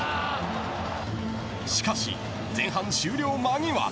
しかし、前半終了間際。